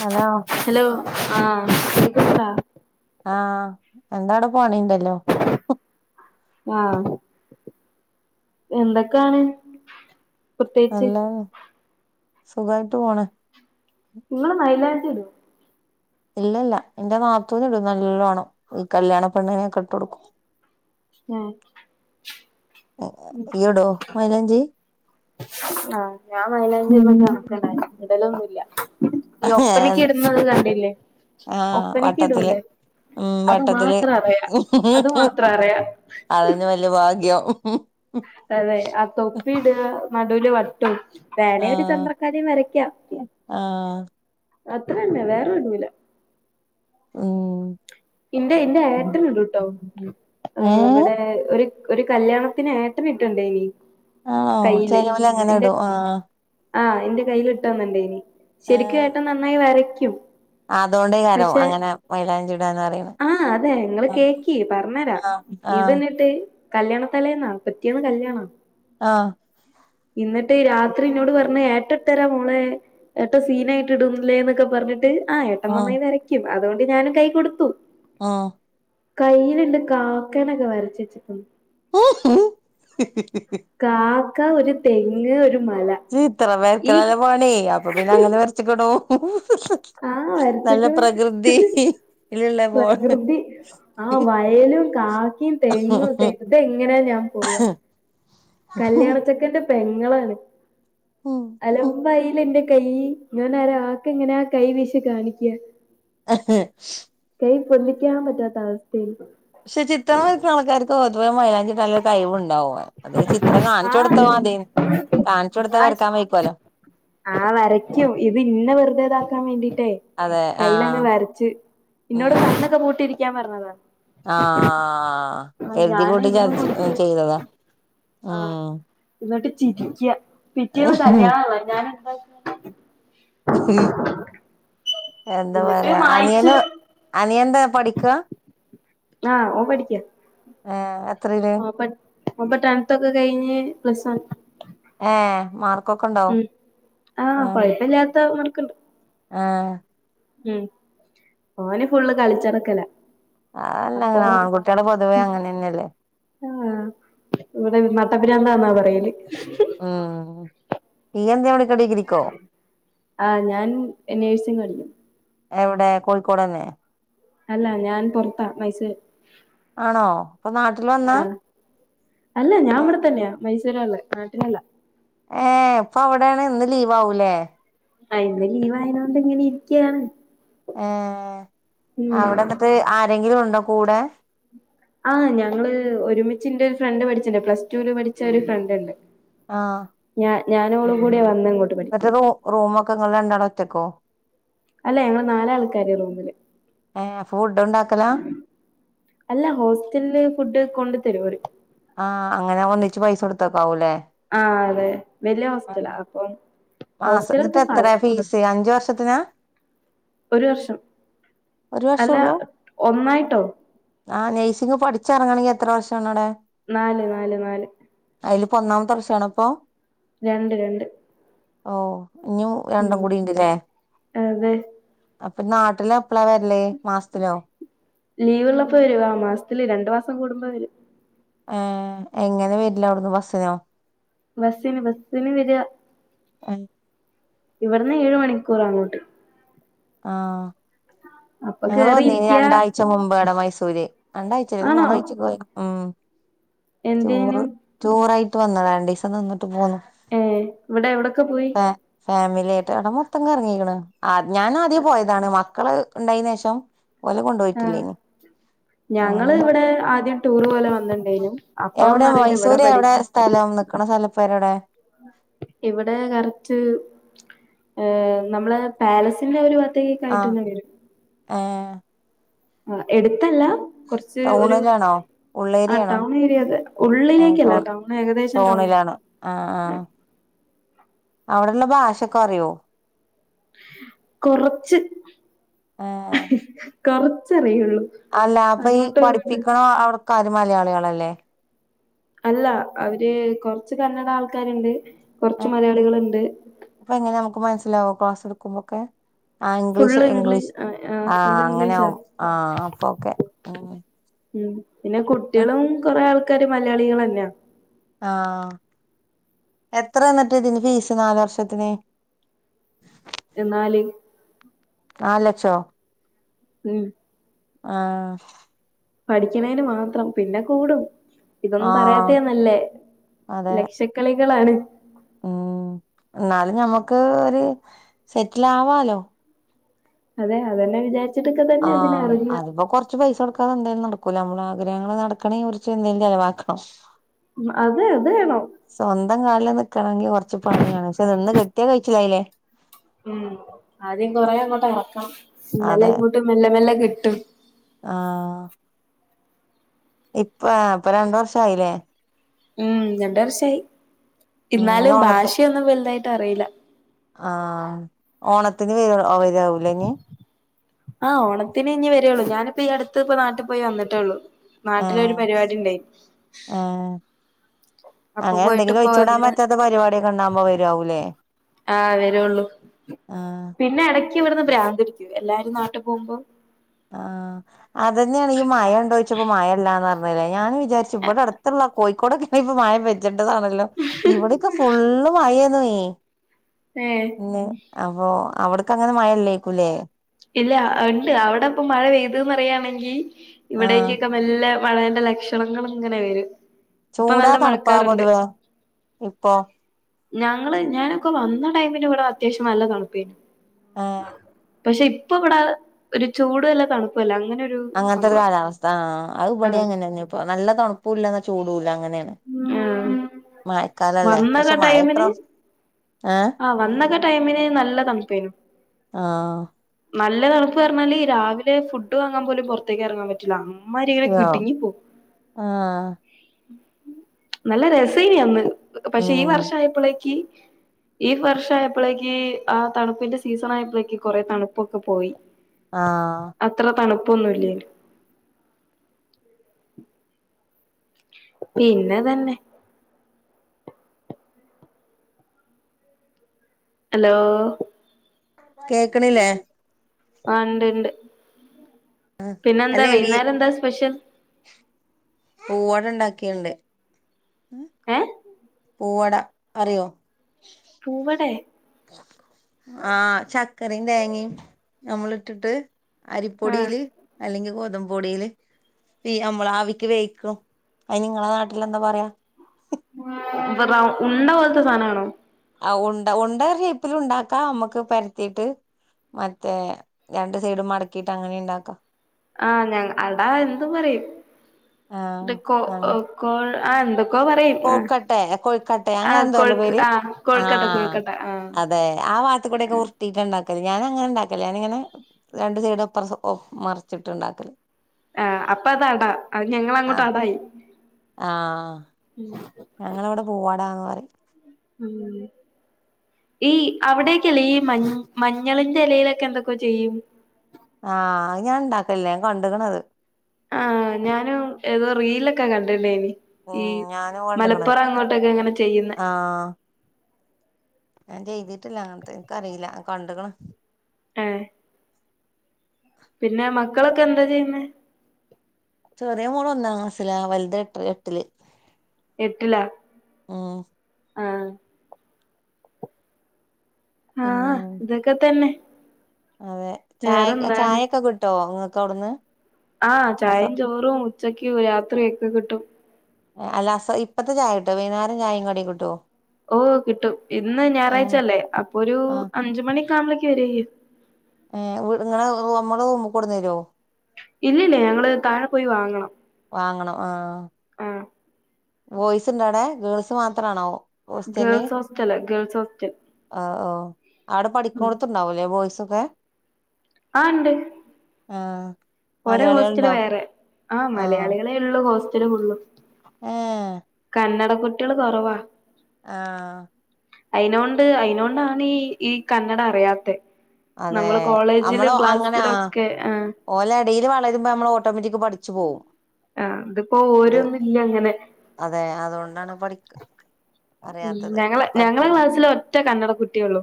Hello hello ആഹ് അ ആഹ് ഇന്നാട പണിണ്ടല്ലോ ആഹ് എന്തൊക്കാണ് പ്രത്യേകിച്ച് നല്ല സുഖായിട്ട് പോണ് നിങ്ങള് മൈലഞ്ചി ടോ ഇല്ല ല്ല എന്റെ നാത്തൂന് ടും നല്ലോണം ഇ കല്ല്യാണ പെണ്ണിന് ക്ക ട്ട് കൊട്ക്കും ആഹ് - നീയ്യിടോ മൈലാഞ്ചി- ആഹ് ഞാൻ മെയ്ലാഞ്ചി ഉം ട്ണൊക്കൺക്കെന്നെ ഇടലൊന്നുല്ല ഈ ഒപ്പനക്ക് ഇടുന്നത് കണ്ടില്ലേ ആഹ് ഒപ്പനക്ക് വട്ടത്തില് ഇടൂല്ലേ- ഉം അത് വട്ടത്തില് മാത്രം അറിയ അത് മാത്രം അറിയ- അതന്നെ വല്യ ഭാഗ്യം അതെ ആ തൊപ്പി ഇട്വ നടുവിൽ വട്ടും- വേനെ ഒരു ആഹ് ചന്ദ്രക്കലയും വരക്കാ- ആഹ് അത്ര തന്നെ വേറെ ടൂല- ഉം- ഇന്റെ ഇന്റെ ഉം ഏട്ടന്ട് ട്ടോ ഏഹ് ഇവിടെ ഒരു ഒരു കല്യാണത്തിന് ഏട്ടനിട്ട്ണ്ടയ്നി- ആണൊ ചെലോല് അങ്ങനെ ടു ആഹ്- ആഹ് എന്റെ കയ്യില് ട്ടന്ന് ണ്ടെയ്നി ശരിക്കും ഏട്ടൻ നന്നായി വരക് അതൊണ്ടേകാരോ അങ്ങനെ മെയ്ലാഞ്ചിട ആഹ് അതെ ങ്ങള് കേക്കി പർഞ്ഞെരാ ആഹ് ഇത് ആഹ് ന്നിട്ട്- കല്യാണത്തലേന്നാ പിറ്റേന്ന് കല്യാണാ ആഹ് ഇന്നിട്ട് രാത്രി ഇന്നോട് പർഞ്ഞ് ഏട്ടൻ ഇട്ടരാ മോളെ ഏട്ട സീനായിട്ട് ഇടും ല്ലേന്നൊക്ക പർഞ്ഞിട്ട് ആഹ് ഏട്ടൻ നന്നായി വരയ്ക്കും അതുകൊണ്ട് ഞാനും കൈ കൊടുത്തു. ആഹ് കയ്യിലിണ്ട് കാക്കേനൊക്കെ വരച്ച് വെച്ച്ക്ക്‌ണ് കാക്ക ഒരു തെങ്ങ് ഒരു മല ചിത്ര ഈ വരക്കലല്ലേ പണി അപ്പൊ പിന്നെ അങ്ങനെ വരച്ച്ക്ക്‌ണു. ആ നല്ല വരച്ചക്കണ് പ്രകൃതി യിലിള്ള പോ ആഹ് വയലും കാക്കിം തെങ്ങും ഒക്കെ [unintelligible] ഇത് എങ്ങനാ ഞാൻ പോവാ. കല്യാണച്ചക്കന്റെ പെങ്ങളാണ് അലമ്പായിലെന്റെ കൈ ഞാനൊരാക്കെങ്ങനാ ആ കൈ വീശി കാണിക്കാ? കൈ പൊന്തിക്കാൻ പറ്റാത്ത അവസ് ക്ഷെ ചിത്രം വരക്കണ ആൾക്കാർക്ക് പൊതുവെ മൈലാഞ്ചി ഇടാൻ ഇള്ള ഒരു കൈവിൺ ണ്ടാവാ അത് ചിത്രം ആ കാണിച്ചു കൊടുത്താമതി കാൺച്ചൊട്ത്താ വരക്കാൻ വയ്ക്കല്ലോ. ആവരയ്ക്കും ഇത് ഇന്നെ വെറുതെതാക്കാൻ വേണ്ടിട്ടേ അതെ കയ്യിലങ്ങ് ആഹ് വരച്ച് ഇന്നോട് ഉം കണ്ണൊക്കെ പൂട്ടിയിരിയ്ക്കാൻ പറഞ്ഞതാ. ആഹ് ആ കരുതി ഞാന് കൂട്ടി ഇര്ന്നും ചതിച്ച് കൊട്ത്ത്, ചെയ്തതാ ആ ഉം ന്നട്ട് ചിരിക്ക്യ, പിറ്റേന്ന് കല്യാണാന്ന്. ഞാന് എന്താ [unintelligible] എന്താ എന്നിട്ട് പറയാ മായിച്ചു അനിയന് അനിയന്റെ പഠിക്കാ ആ ഓൻ പഠിക്ക്യാ ആ ഹാ ആ അപ്പ അപ്പൊ ടെൻത്തൊക്കെ കഴിഞ്ഞ് പ്ലസ് വൺ ഏ മാർക്കൊക്കെണ്ടോ? ഉം ആ ആഹ് കൊഴപ്പില്ലാത്ത മാർക്കുണ്ട് ആ ഹ് ഉം, ഓന് ഫുള്ള് കളിച്ചടക്കലാ. അ അല്ലങ്ങനെ ആൺകുട്ട്യള് പൊതുവേ അങ്ങനെന്നല്ലേ ആ ഇവടെ നട്ടബ്രാന്താ ന്നാ പറയല്. ഉം, നീ എന്തെ ഇവി ആ ഞാൻ നേഴ്സിങ് പഠിക്കും. എവെടെ കോഴിക്കോടന്നെ അല്ല! ഞാൻ പൊർത്താ മൈസൂർ. ആണോ ഇപ്പൊ നാട്ടില് വന്നാ ആഹ്, അല്ല ഞാൻ വടെത്തന്നെയാ മൈസ് [unintelligible] നാട്ടിലല്ല. ഏ, പ്പൊ അവ്ടെണ്, ന്ന് ലീവാവൂലേ? ആ ഇന്ന് ലീവായേനോണ്ട് ങ്ങനെ ഇരിക്ക്യാണ്. ഏ, അവിടെന്നിട്ട് ആരെങ്കിലും ഉണ്ടോ കൂടെ? ആഹ്, ഞങ്ങള് ഒരുമിച്ച്ന്റെ ഫ്രണ്ട് പഠിച്ചില്ലേ പ്ലസ്ടൂല് പഠിച്ച ഒരു ഫ്രണ്ട്ണ്ട്. ആ ഹ് ഞാനോളുംകൂടിയാ വന്നന്ന് മറ്റേ റൂം റൂമൊക്കെ ഇങ്ങൾ രണ്ടാളും ഒറ്റക്കോ? അല്ലെ ഞങ്ങള് നാല് ആൾക്കാര് റൂമില് ഏ അപ്പൊ ഫുഡ് ഉണ്ടാക്കലാ അല്ല ഹോസ്റ്റലില് ഫുഡ് കൊണ്ട് തരു അവര് ആഹ് അങ്ങനെ ഒന്നിച്ച് പൈസ കൊടുത്തക്കാവുലെ ആഹ് അതെ വലിയ ഹോസ്റ്റലാ അപ്പം മാസ ഹോസ്റ്റലൊക്കെ ന്നിട്ട് ഫാസ് എത്രയാ ഫീസ് അഞ്ച് വർഷത്തിനാ ഒരു വർഷം ഒരു അല്ല ഒന്നായിട്ടോ ആഹ് നേഴ്‌സിങ് പഠിച്ച് ഇറങ്ങാണെങ്കി എത്ര വർഷാണ് അവിടെ നാല് നാല് നാല് അതിലിപ്പോ ഒന്നാമത്തെ വർഷാണ് ഇപ്പൊ രണ്ട് രണ്ട് ഓഹ് ഇനിയും രണ്ടും ഉം കൂടി ഇണ്ട്ലേ അതെ അപ്പോ നാട്ടിലാ ലീവ് ഉള്ളപ്പോ വരും ആഹ് മാസത്തില് രണ്ടു മാസം കുടുമ്പ വരും ഏഹ് എങ്ങനെ വരാല് അവിടെന്ന് ബസ്സിനോ ബസ്സിന് ബസ്സിന് വരുവാ അൻ ഇവിടുന്ന് ഏഴു മണിക്കൂർ അങ്ങോട്ട് ആഹ് അപ്പൊ ഞങ്ങൾ കേറി വന്നീനി ഇരിക്ക രണ്ട് ആഴ്ച മുമ്പ് അവിടെ മൈസൂര് രണ്ടാഴ്ച അല്ല ഒര് ആണോ മൂന്ന് ആഴ്ച്ചെക്കെ [unintelligible] ഉം ടൂർ എന്തിനും ടൂർ ആയിട്ട് വന്നതാ രണ്ടീസം നിന്ന് ഏഹ് ഇവിടെ എവിടോക്ക പോയി ഫാ ഫാമിലി ആയിട്ട് അവിടെ മൊത്തം കറങ്ങിക്ക്ണ് ആ ഞാൻ ആദ്യം പോയതാണ് മക്കള് ഉണ്ടായിനെഷം ഒലെ കൊണ്ട് ആ പോയിട്ടില്ലെനി അങ്ങന ഞങ്ങള് [inaudible] ഇവിടെ ആദ്യം ടൂർ പോലെ വന്നിണ്ടേനു എവിടെ അപ്പഴൊന്നും അറിയില്ല ഇവിടെ മൈസൂര് പഠി എവിടെ സ്ഥലം നിക്കണ സ്ഥലപ്പരോടെ? ഇവടെ കറക്റ്റ് ഏഹ് നമ്മളെ പാലസിൻ്റെ ഒരു [unintelligible] ആയിട്ടന്നേ വെരും. ആഹ് ആഹ് എടുത്തല്ലാ കൊറച്ച് ഒരു ടൗണിലാണോ ആ ഉള്ളേരിയാണോ ടൗൺ ഏരിയതെ ഉള്ളിലേക്കല്ല ടൗൺ ഏകദേശം ടൗൺ [unintelligible] ആഹ് ആഹ് അവിടെള്ള ഭാഷൊക്കെ അറിയോ? കൊറച്ച് ഏ കൊറച്ചറിയുള്ളൂ അല്ല അപ്പൊ ഈ അങ്ങോട്ടും ഇങ്ങോട്ടും പഠിപ്പിക്കണ അവിടക്കാര് മലയാളികളല്ലേ? അല്ല അവര് കൊറച്ച് കന്നഡ ആൾക്കാര്ണ്ട്. കൊറച്ച് മലയാളികള്ണ്ട്. ഒക്കെ മനസിലാവോ ക്ലാസ് ഇട്ക്കുമ്പൊക്കെ ആഹ് ഇംഗ്ലീഷ് ഇംഗ്ലീഷ് ആഹ് ഫുൾ അങ്ങനെ ഇംഗ്ലീഷാ ആവും ആഹ് അപ്പൊ ഓക്കെ ഉം ഉം പിന്നെ കുട്ടിയളും കൊറെ ആൾക്കാര് മലയാളികളന്ന്യാ ആഹ് എത്ര ഇന്ന്ട്ട് ഇതിന് ഫീസ് നാല് വർഷത്തിന്? എന്നാല് നാല് ലക്ഷോ? ഉം ആഹ് പഠിക്ക്ണേയ്ന് മാത്രം പിന്നെ കൂടും. ആ ഇതൊന്നും പറയാത്തേ നല്ലേ അതെ ലക്ഷക്കളികളാണ്. ഉം ഇന്നാലും ഞമ്മക്ക് ഒരു സെറ്റിൽ ആവാലോ അതെ അതെന്നെ വിചാര് ആഹ് അത്പ്പോ കൊറച്ച് പൈസ കൊടുക്ക പ്പ അതെന്തായാലും നടക്കൂല നമ്മള് ആഗ്രഹങ്ങള് നടക്കണേ കുറിച്ച് എന്തേലും ചെലവാക്കണം. അതെ അതേണം. സ്വന്തം കാലിൽ നിക്കണങ്കി കൊറച്ച് പണ്യാണ് പക്ഷെ നിന്ന് കിട്ടിയാ കയ്ച്ചിലായിലേ. ഉം ആദ്യം കൊറെ അങ്ങോട്ട് എറക്കണം ഇന്നാലേ ഇങ്ങോട്ട് മെല്ലെ മെല്ലെ കിട്ടൂ. ആഹ് ഇപ്പ ഇപ്പൊ രണ്ട് വർഷായിലേ. ഉം രണ്ട് വർഷായി. ഉം ഇഞ്ഞ് ഇന്നാലും ഓണത്ത് ഭാഷയൊന്നും വലുതായിട്ട് അറീല. ആഹ് [unintelligible] ഇഞ്ഞ് ആഹ് ഓണത്തിന് ഇനി വരുള്ളൂ ഞാനിപ്പോ ഈ അടുത്- ത്ത് ഇപ്പ നാട്ടിൽ പോയി വന്നിട്ടേള്ളൂ നാട്ടിലൊരു ആഹ് പരിപാടി ഉണ്ടായി- ആഹ് അങ്ങനെ എന്തെങ്കിലും ഒഴിച്ചു വിടാൻ പറ്റാത്ത പരിപാടിയൊക്കെ ഉണ്ടാവകുമ്പോ വരവൂല്ലേ- ആഹ് ആഹ് - ക്ക് ഇവിടുന്ന് ഭ്രാന്ത് പിടിക്കുംഎല്ലാരും നാട്ടു പോകുമ്പോ- ആഹ് അതന്നെയാണ് ഈ മഴ ഉണ്ടോദിച്ചപ്പോ മഴല്ലാന്ന് പറ മെനഞ്ഞാന്ന് വിചരിച്ചു ഇവിടെ അടുത്തുള്ള കോഴിക്കോടൊക്കെ ഇപ്പ മഴ പെതാ- തതാണല്ലോ ഇവിടെക്കെ ഫുള്ള് മഴന്നേ- ഏഹ്- അപ്പൊ അവിടക്ക് അങ്ങനെ മഴല്ലേക്കൂല്ലേ- ഇല്ല ഉണ്ട് അവിടെ ഇപ്പം മഴ പെയ്തന്ന് പറയയാണെങ്കിൽ ആഹ് ഇവിടേക്കൊക്കെ നല്ല- മഴേന്റെ ലക്ഷണങ്ങളങ്ങനെ വരും ഇപ്പൊ ചൂടാ നല്ല തണുപ്പാ മഴക്കാറുണ്ട്- പൊതുവേ ഇപ്പൊ ഞങ്ങള് ഞാനൊക്കെ വന്ന ടൈമിന ഇവിടെ അത്യാവശ്യം നല്ല തണുപ്പേ ആഹ് - പക്ഷെ ഇപ്പൊ ഇവിടെ ഒരു ചൂട് വല്ലാം തണുപ്പല്ല അങ്ങനെ- ഒരു അങ്ങനത്തെ ഒരു സംഭവം കാലാവസ്ഥ ആ അത് ഇപടി ആഹ് അങ്ങനെന്നെ ഇപ്പ നല്ല തണുപ്പൂല്ലന്ന ചൂടുൂല്ല അങ്ങന- ആഹ് മഴക്കാലല്ലേ പക്ഷെ മഴയിത്രോം ആ വന്നൊക്കെ ടൈമിന് നല്ല തണുപ്പേനു. ആഹ് - നല്ല തണുപ്പ് പറഞ്ഞാല് രാവിലെ ഫുഡ് വാങ്ങാൻ പോലും പൊറത്തേക്ക് എറങ്ങാൻ പറ്റില്ല. അമ്മാരിങ്ങനെ യോ കിടുങ്ങി പോം. ആ നല്ല രസേയി അന്ന് പക്ഷെ ഈ ഉം വർഷായപ്പളേക്ക് ഈ വർഷായപ്പളേക്ക് ആ തണുപ്പിന്റെ സീസൺ ആയപ്പളേക്ക് കൊറെ തണുപ്പൊക്കെ പോയി. ആഹ് - ഇപ്പൊന്നുമില്ലേനു പിന്നെ അതെന്നെ. ഹലോ കേക്കണില്ലേ? ആ ഇണ്ട് ഇണ്ട്, അല്ല പിന്നെന്താ എലി വൈയ്ന്നേരം എന്താ സ്പെഷ്യൽ? പൂവട ഉണ്ടാക്കിയെണ്ട്. ഏഹ് പൂവട അറിയോ? പൂവടെ ആഹ് ചക്കരേം തേങ്ങയും നമ്മൾ ഇട്ടിട്ട് ആഹ് അരിപ്പൊടിയില് അല്ലെങ്കി ഗോതമ്പുപൊടിയില് തീ നമ്മളാവിക്ക് വേവിയ്ക്കും അയിന് നിങ്ങളെ നാട്ടിൽ എന്താ പറയാ? ഉണ്ട പോലത്തെ സാധനാണോ? ആ ഉണ്ട ഉണ്ട ഷേപ്പിലു ഉണ്ടാക്കാ നമ്മക്ക് പരത്തീട്ട് മറ്റേ രണ്ട് സൈഡും മടക്കീട്ട് അങ്ങനേം ഇണ്ടാക്കാം. ആ ഞ അടാ എന്ത് പറയും കോ കോ കോക്കട്ടെ കോഴിക്കട്ടെ ആ അങ്ങനെ എന്തോല്ലേ കൊഴുക്ക് പേര് ആ ആ കൊഴുക്കട്ട കൊഴുക്കട്ട ആ അതെ. ആ വാത്തുക്കൂടെ ഒക്കെ ഉർത്തിട്ടൊണ്ടാക്കും. ഞാനങ്ങനെ ഉണ്ടാക്കല്ല ഞാനിങ്ങനെ രണ്ടു സൈടുപ്പറ മറിച്ചിട്ട് ഉണ്ടാക്കല് ആ അപ്പൊ അതടാ അത് ഞങ്ങളങ്ങോട്ട് ആഹ് അടായി ഞങ്ങടവിടെ പൂവാടാന്ന് പറയും. ഉം ഈ അവിടെക്കല്ലേ ഈ മ മഞ്ഞളിന്റെ എലയിലൊക്കെ എന്തൊക്കെയോ ചെയ്യും ആ ഞാൻ ഇണ്ടാക്കല്ല ഞാൻ കണ്ടക്കണത് ആ ഞാനും ഏതോ റീലൊക്കെ കണ്ടിണ്ടേനി. ഉം ഈ ഞാനും കണ്ടുക്കണ് മലപ്പൊറം അങ്ങോട്ടൊക്കെ അങ്ങനെ ചെയ്യുന്നെ ഞൻ ചെയ്തിട്ടില്ല അങ്ങനത്തെ എനക്കറിയില്ല കണ്ട്ക്ക്‌ണ്. ആ പിന്നെ മക്കളൊക്കെ എന്താ ചെയ്യുന്നെ? ചെറിയ മോളൊന്നാം ക്‌ളാസിലാ വലുത് എട്ട എട്ടില്. എട്ടിലാ ഉം ആ ആ പിന്നെ ഇതൊക്കെ തന്നെ. അതെ ചായക് വേറെന്താണ് ചായൊക്കെ കിട്ട്വോ നിങ്ങക്കവിടുന്ന്? ആ ചായയും ചോറും ഉച്ചക്കും രാത്രിയൊക്കെ കിട്ടും. അല്ല അ സ ഇപ്പത്തെ ചായ കിട്ടോ വൈകുന്നേരം ചായയും കടീം കിട്ടുവോ? ഓ കിട്ടും ഇന്ന് ഞായറാഴ്ചല്ലേ അപ്പൊ ഒരു അഞ്ചു മണിക്കാവുമ്പളേക്ക്. ക്കരയും ഏ ഇവി ഇങ്ങടെ നമ്മടെ റൂമി കൊണ്ടന്നര്വോ? ഇല്ലില്ല ഞങ്ങള് താഴെ പോയി വാങ്ങണം. വാങ്ങണം ആ. ആ ബോയ്സ് ഇണ്ടോവിടേ ഗേൾസ് മാത്രമാണോ? ഗേൾസ് ഹോസ്റ്റലാ ഗേൾസ് ഹോസ്റ്റൽ. ആഹ് ഓഹ് അവിടെ പഠിക്ക്ണോടത്തുണ്ടാവുല്ലേ ബോയ്സൊക്കെ ആ ഇണ്ട് ആ ഓരെ ഹോസ്റ്റല് വേറെ ആ മലയാളികളെയുള്ളൂ ഹോസ്റ്റല് ഫുള്ളും ഏ കന്നഡ കുട്ട്യോള് കുറവാ ആ അയിനോണ്ട് അയിനോണ്ടാണീ കന്നഡ അറിയാത്തെ അതെ നമ്മള് നമ്മള് കോളേജിലും അങ്ങനെയ ക്ലാസ്സിലും ഒക്കെ ആ ഓലെടായില് വളരുമ്പോ നമ്മള് ഓട്ടോമാറ്റിക് പിഠിച്ച് പോകും ആ അതിപ്പോ ഓരോന്നില്ല അങ്ങനെ അതെ അതുകൊണ്ടാണ് പഠി അറിയാത്തത് ഞങ്ങളെ പതുക്കെ ഞങ്ങളെ ക്ലാസ്സിലൊറ്റ കന്നട കുട്ടിയുള്ളു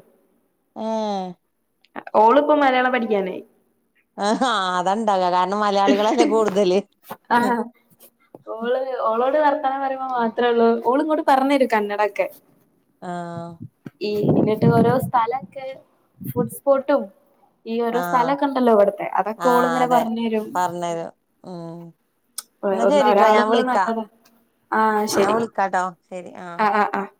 ഏ ഓളിപ്പോ മലയാളം പഠിക്കാനായി ആ അതാണ്ടാക കാര ആ ഓള് ഓളോട് വർത്താനം പറയുമ്പോ മാ ത്രേള്ളൂ ഓള ഇങ്ങോട്ട പറഞ്ഞേരും കന്നഡോക്കെ ആ ഈവെനിംഗ് എന്നിട്ട് ഓരോ സ്ഥലൊക്കെ ഫുഡ് സ്പോട്ടും ഈ ആഹ് ഒരുഓരോസ്ഥലൊക്കെണ്ടല്ലോ ഇവിടുത്തെ അതൊക്കെ ആഹ് ഓളിങ്ങനെ അതെ പറഞ്ഞു തരും പറഞ്ഞരും ഉം എന്നാ ഒന്ന ശരിട്ടോ ഞാൻ ഒരാളുള്ളേ വിളിക്കാ നല്ലതാ ആഹ് ഞാൻ ശെരി വിളിക്കാട്ടോ ശരി ആഹ് ആ ആ ആഹ്